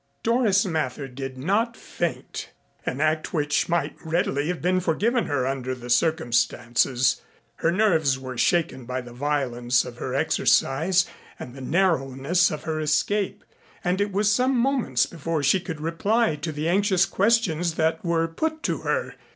Doris Mather did not faint, an act which might readily have been forgiven her under the circumstances. Her nerves were shaken by the violence of her exercise and the narrowness of her escape, and it was some moments before she could reply to the anxious questions that were put to her.